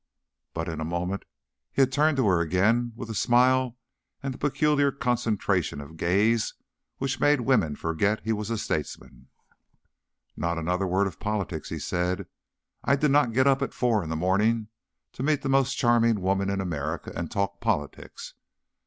But in a moment he had turned to her again with the smile and the peculiar concentration of gaze which made women forget he was a statesman. "Not another word of politics," he said. "I did not get up at four in the morning to meet the most charming woman in America and talk politics.